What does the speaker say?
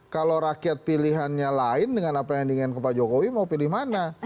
kalau rakyat pilihannya lain dengan apa yang diinginkan pak jokowi mau pilih mana